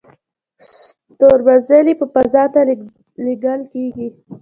ستورمزلي په فضا ته لیږل کیږي